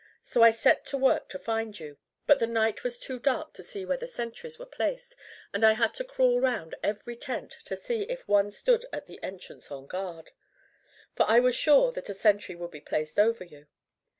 So I set to work to find you; but the night was too dark to see where the sentries were placed, and I had to crawl round every tent to see if one stood at the entrance on guard, for I was sure that a sentry would be placed over you.